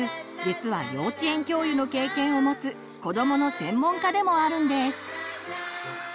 実は幼稚園教諭の経験をもつ子どもの専門家でもあるんです。